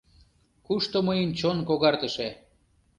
Кушто мыйын чон когартыше